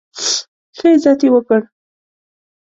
ښه عزت یې وکړ.